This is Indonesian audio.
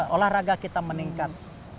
olahraga kita meningkat